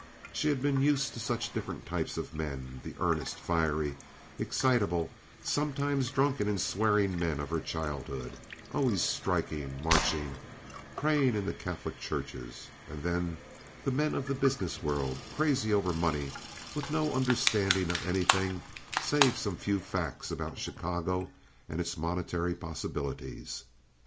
She had been used to such different types of men—the earnest, fiery, excitable, sometimes drunken and swearing men of her childhood, always striking, marching, praying in the Catholic churches; and then the men of the business world, crazy over money, and with no understanding of anything save some few facts about Chicago and its momentary possibilities.